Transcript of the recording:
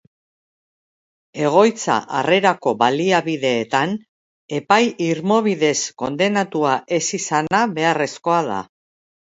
Egoitza-harrerako baliabideetan epai irmo bidez kondenatua ez izana beharrezkoa da.